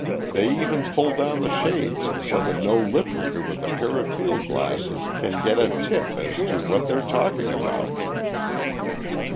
They even pull down the shades so that no lip reader with a pair of field glasses can get a tip as to what they're talking about."